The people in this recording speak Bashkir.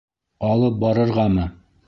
Алып барырғамы?